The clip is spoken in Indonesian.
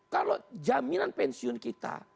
kalau jaminan pensiun kita